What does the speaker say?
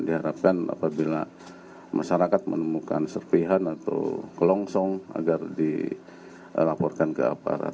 diharapkan apabila masyarakat menemukan serpihan atau kelongsong agar dilaporkan ke aparat